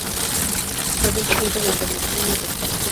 Presenta ciento dimorfismo sexual.